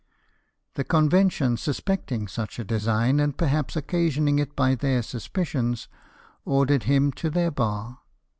The Convention suspecting such a design, and perhaps occasioning it by their suspicions, ordered him to their bar.